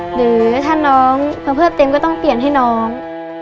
หรือถ้าน้องมาเพิ่มเติมก็ต้องเปลี่ยนให้น้อง